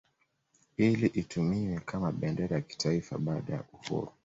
Ili itumiwe kama bendera ya kitaifa baada ya uhuru